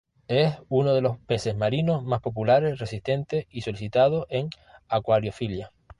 Es uno de los peces marinos más populares, resistentes y solicitados en acuariofilia.